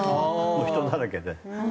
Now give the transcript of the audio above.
もう人だらけで。